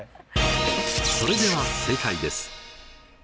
それでは正解です。